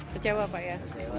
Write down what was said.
kecewa pak ya